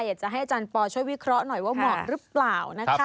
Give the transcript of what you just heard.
อยากจะให้อาจารย์ปอช่วยวิเคราะห์หน่อยว่าเหมาะหรือเปล่านะคะ